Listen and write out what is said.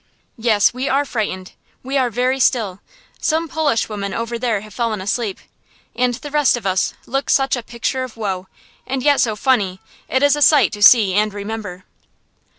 Yes, we are frightened. We are very still. Some Polish women over there have fallen asleep, and the rest of us look such a picture of woe, and yet so funny, it is a sight to see and remember.